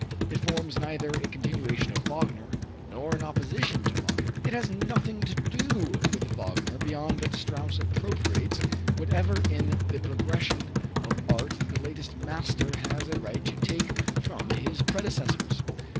It forms neither a continuation of Wagner nor an opposition to Wagner. It has nothing to do with Wagner, beyond that Strauss appropriates whatever in the progression of art the latest master has a right to take from his predecessors.